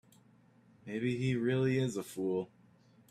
Maybe he really is a fool.